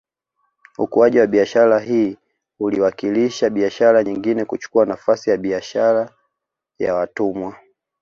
Ukuaji wa biashara hii uliwakilisha biashara nyengine kuchukua nafasi ya biashara ya watumwa